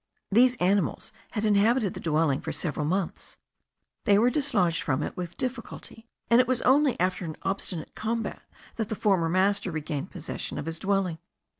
These animals had inhabited the dwelling for several months; they were dislodged from it with difficulty, and it was only after an obstinate combat that the former master regained possession of his dwelling.